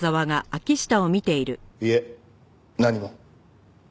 いえ何も。